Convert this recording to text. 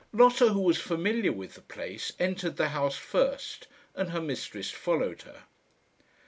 Lotta, who was familiar with the place, entered the house first, and her mistress followed her.